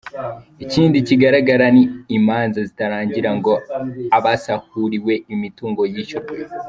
Ikindi kigaragara ni imanza zitararangira ngo abasahuriwe imitungo yishyurwe.